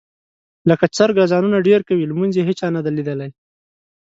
لکه چرګ اذانونه ډېر کوي، لمونځ یې هېچا نه دي لیدلی.